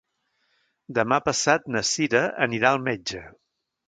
Demà passat na Sira anirà al metge.